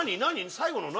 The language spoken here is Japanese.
最後の何？